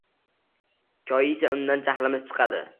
Koyisa undan jahlimiz chiqadi.